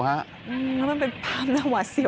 มันเป็นภาพวาเสียบ